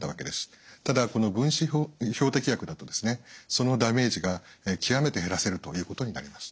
ただこの分子標的薬だとそのダメージが極めて減らせるということになります。